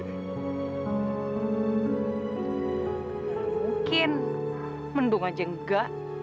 mungkin mendung aja enggak